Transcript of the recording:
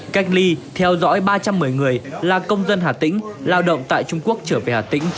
cách ly theo dõi ba trăm một mươi người là công dân hà tĩnh lao động tại trung quốc trở về hà tĩnh trong thời gian tới